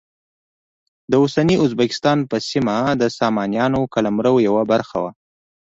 د اوسني ازبکستان سیمه د سامانیانو قلمرو یوه برخه وه.